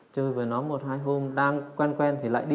chơi với nó một hai hôm đang quen quen thì lại đi